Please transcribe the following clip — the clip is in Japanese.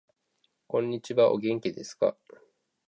こんにちは。お元気ですか。